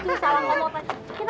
itu salah om apa